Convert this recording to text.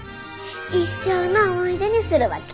一生の思い出にするわけ。